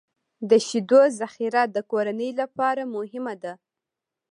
د شیدو ذخیره د کورنۍ لپاره مهمه ده.